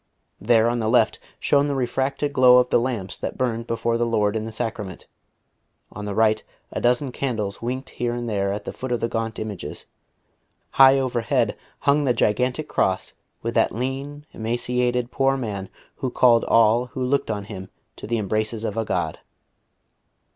There on the left shone the refracted glow of the lamps that burned before the Lord in the Sacrament, on the right a dozen candles winked here and there at the foot of the gaunt images, high overhead hung the gigantic cross with that lean, emaciated Poor Man Who called all who looked on Him to the embraces of a God.